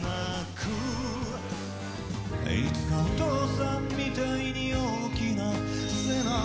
「いつかお父さんみたいに大きな背中で」